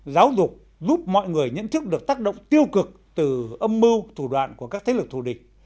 giáo dục giúp mọi người nhận thức được tác động tiêu cực từ âm mưu thủ đoạn của các thế lực thù địch